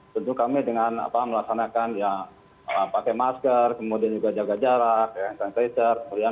tentu kami dengan melaksanakan ya pakai masker kemudian juga jaga jarak hand sanitizer